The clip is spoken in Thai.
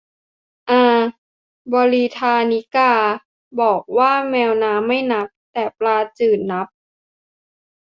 อา บริทานิกา บอกว่าแมวน้ำไม่นับ แต่ปลาน้ำจืดนับ